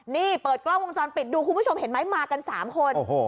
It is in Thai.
นี่เปิดกล้องวงจรปิดดูคุณผู้ชมเห็นไหมมากัน๓คน